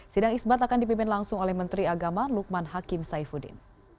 sidang isbat akan dipimpin langsung oleh menteri agama lukman hakim saifuddin